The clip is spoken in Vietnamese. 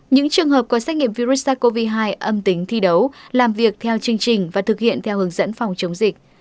những trường hợp có xét nghiệm virus sars cov hai âm tính thi đấu làm việc theo chương trình và thực hiện theo hướng dẫn phòng chống dịch